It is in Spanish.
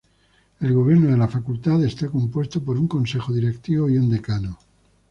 El gobierno de la Facultad está compuesto por un Consejo Directivo y un Decano.